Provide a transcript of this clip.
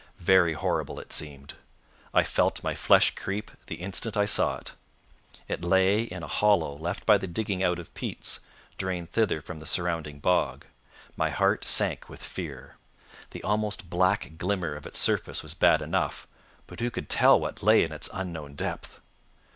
Very horrible it seemed. I felt my flesh creep the instant I saw it. It lay in a hollow left by the digging out of peats, drained thither from the surrounding bog. My heart sank with fear. The almost black glimmer of its surface was bad enough, but who could tell what lay in its unknown depth?